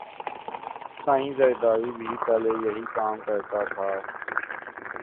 سائیں زرداری بھی پہلے یہئ کام کرتا تھا